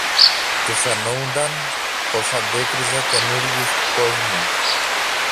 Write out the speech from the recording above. Του φαίνουνταν πως αντίκριζε καινούριους κόσμους.